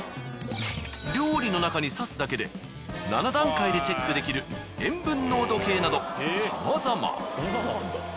料理の中にさすだけで７段階でチェックできる塩分濃度計などさまざま。